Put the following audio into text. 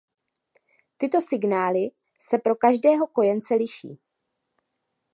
Tyto signály se pro každého kojence liší.